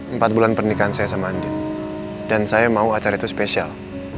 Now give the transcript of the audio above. empat bulan pernikahan saya sama andi dan saya mau acara itu spesial